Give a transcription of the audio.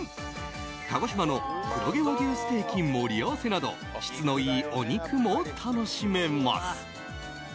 鹿児島の黒毛和牛ステーキ盛り合わせなど質のいいお肉も楽しめます。